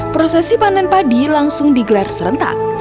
prosesi panen padi langsung digelar serentak